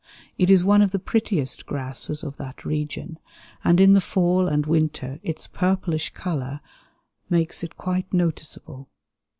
It is one of the prettiest grasses of that region, and in the fall and winter its purplish color makes it quite noticeable.